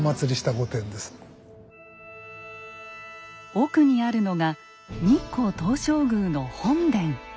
奥にあるのが日光東照宮の本殿。